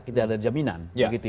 kita ada jaminan